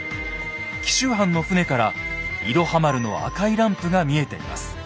紀州藩の船から「いろは丸」の赤いランプが見えています。